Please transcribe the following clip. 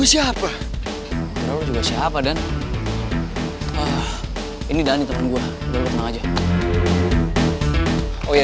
sampai jumpa di video selanjutnya